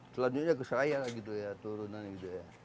selanjutnya ke saya lah gitu ya turunan gitu ya